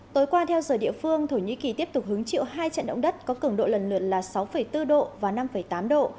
tối qua theo giờ địa phương thổ nhĩ kỳ tiếp tục hứng chịu hai trận động đất có cường độ lần lượt là sáu bốn độ và năm tám độ